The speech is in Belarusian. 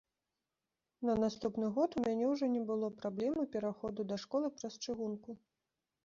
На наступны год у мяне ўжо не было праблемы пераходу да школы праз чыгунку.